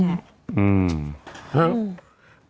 อืม